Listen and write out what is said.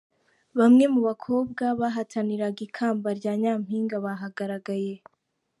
Bamwe mu bakobwa bahataniraga ikamba rya nyimpinga bahagaragaye.